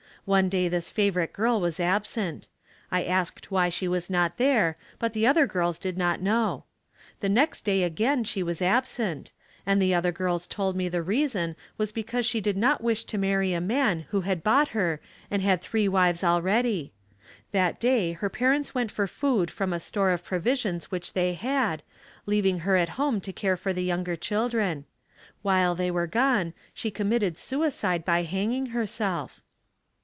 One day this favorite girl was absent. I asked why she was not there, but the other girls did not know. The next day again she was absent and the other girls told me the reason was because she did not wish to marry a man who had bought her and had three wives already. That day her parents went for food from a store of provisions which they had, leaving her at home to care for the younger children. While they were gone she committed suicide by hanging herself.